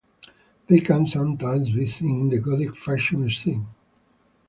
They can sometimes be seen in the gothic fashion scene.